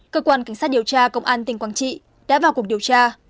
cơ quan cảnh sát điều tra công an tỉnh quảng trị đã vào cuộc điều tra